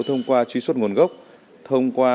thông qua truy xuất nguồn gốc thông qua